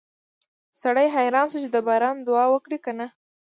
سړی حیران شو چې د باران دعا وکړي که نه